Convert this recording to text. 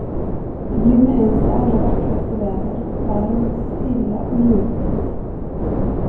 Det blev med ens det allra vackraste väder: varmt, stilla och ljuvligt.